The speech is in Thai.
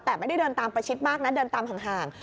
แต่ไม่ได้เดินตามประชิดมากนะเดินตามห่าง